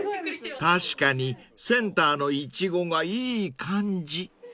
［確かにセンターのいちごがいい感じ］